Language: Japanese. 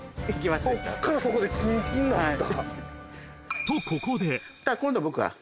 こっからここでキンキンになった。